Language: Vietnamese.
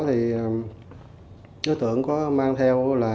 thì đối tượng có mang theo